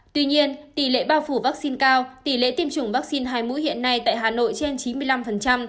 tuy nhiên tỷ lệ bao phủ vaccine cao tỷ lệ tiêm chủng vaccine hai mũi hiện nay tại hà nội trên chín mươi năm